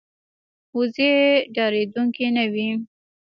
وزې ډارېدونکې نه وي